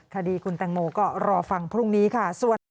คดีคุณแตงโมก็รอฟังพรุ่งนี้ค่ะ